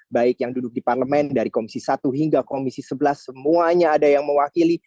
baik yang duduk di parlemen dari komisi satu hingga komisi sebelas semuanya ada yang mewakili